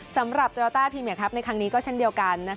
สำหรับโตราต้าพรีเมียครับในครั้งนี้ก็เช่นเดียวกัน